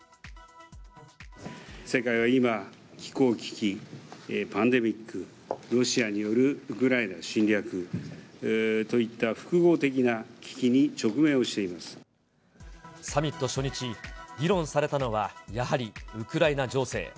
世界は今、気候危機、パンデミック、ロシアによるウクライナ侵略といった複合的な危機に直面をしていサミット初日、議論されたのは、やはりウクライナ情勢。